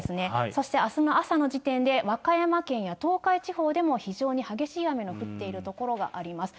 そしてあすの朝の時点で、和歌山県や東海地方でも、非常に激しい雨の降っている所があります。